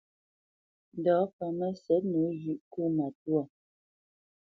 Ndǎ pâ Mə́sɛ̌t nǒ zhʉ̌ʼ kó matwâ.